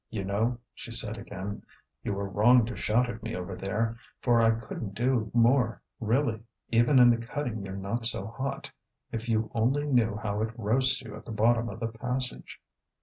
"You know," she said again, "you were wrong to shout at me over there, for I couldn't do more, really! Even in the cutting you're not so hot; if you only knew how it roasts you at the bottom of the passage!"